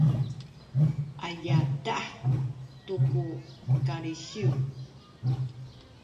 a yadah tu ku kalisiw